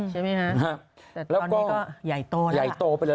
แต่ตอนนี้ก็ใหญ่โตแล้ว